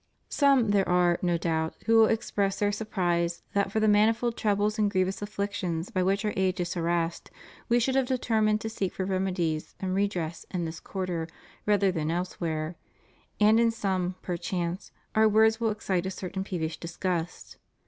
Some there are, no doubt, who will express their sur prise that for the manifold troubles and grievous afflictions by which our age is harassed We should have determined to seek for remedies and redress in this quarter rather than elsewhere, and in some, perchance. Our words will excite a certain peevish disgust.